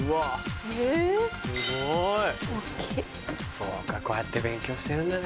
そうかこうやって勉強してるんだね